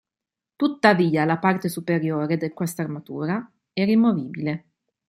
Tuttavia, la parte superiore di quest'armatura è rimovibile.